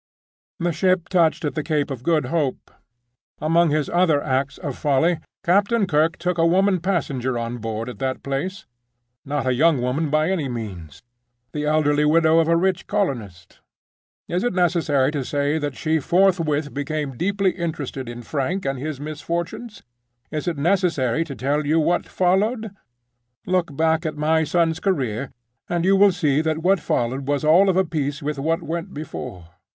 "The ship touched at the Cape of Good Hope. Among his other acts of folly Captain Kirke took a woman passenger on board at that place—not a young woman by any means—the elderly widow of a rich colonist. Is it necessary to say that she forthwith became deeply interested in Frank and his misfortunes? Is it necessary to tell you what followed? Look back at my son's career, and you will see that what followed was all of a piece with what went before.